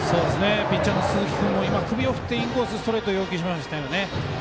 ピッチャーの鈴木君も首を振ってインコースストレート要求しましたよね。